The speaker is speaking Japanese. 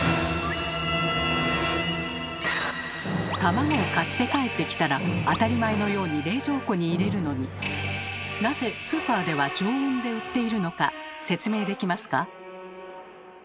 卵を買って帰ってきたら当たり前のように冷蔵庫に入れるのになぜスーパーでは常温で売っているのか説明できますか？